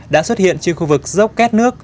đã xuất hiện trên khu vực dốc két nước